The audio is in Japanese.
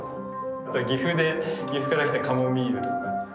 あと岐阜から来たカモミールとか。